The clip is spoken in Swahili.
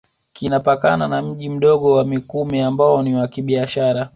Kinapakana na Mji Mdogo wa Mikumi ambao ni wa kibiashara